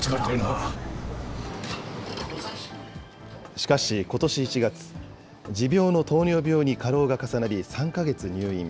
しかしことし１月、持病の糖尿病に過労が重なり、３か月入院。